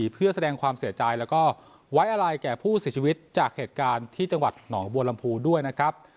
เพื่อแสดงความเสียใจแล้วก็ไว้อะไรแก่ผู้เสียชีวิตจากเหตุการณ์ที่จังหวัดหนองบัวลำพูด้วยนะครับ